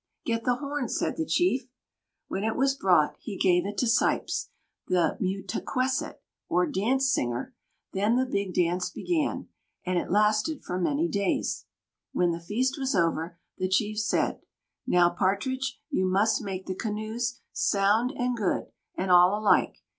"Get the horn," said the chief. When it was brought, he gave it to Sīps, the "mū ta quessit," or dance singer; then the big dance began, and it lasted for many days. When the feast was over, the chief said: "Now, Partridge, you must make the canoes, sound and good, and all alike.